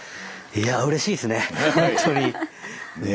いやぁうれしいですね